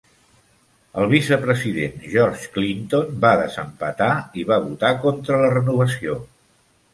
El vicepresident George Clinton va desempatar i va votar contra la renovació.